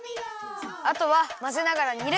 あとはまぜながらにる！